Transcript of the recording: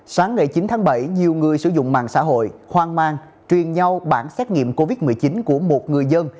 sáng ngày chín tháng bảy nhiều người sử dụng mạng xã hội hoang mang truyền nhau bản xét nghiệm covid một mươi chín của một người dân